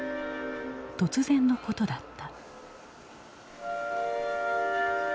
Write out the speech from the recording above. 突然のことだった。